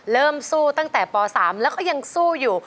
เริ่มสู้ตั้งแต่ป๓แล้วก็ยังสู้อยู่